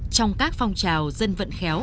trong các phong trào dân vận khéo